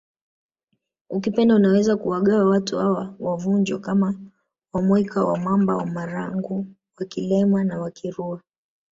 Ukipenda unaweza kuwagawa watu hawa wa Vunjo kama WaMwika WaMamba WaMarangu WaKilema na Wakirua